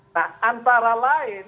nah antara lain